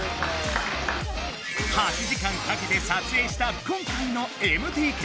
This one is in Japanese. ８時間かけて撮影した今回のＭＴＫ！